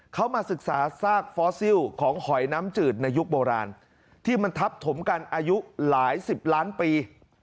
เขามาศึกษาซากฟอสซิลของหอยน้ำจืดในยุคโบราณที่มันทับถมกันอายุหลายสิบล้านปี